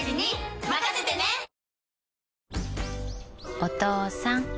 お父さん。